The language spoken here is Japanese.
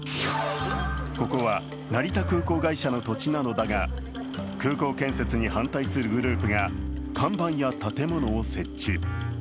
ここは成田空港会社の土地なのだが空港建設に反対するグループが看板や建物を設置。